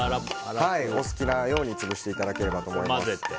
お好きなように潰していただければと思います。